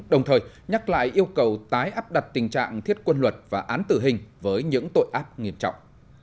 đồng thời nhắc lại yêu cầu tái áp đặt tình trạng thiết quân luật và án tử hình với những tội ác nghiêm trọng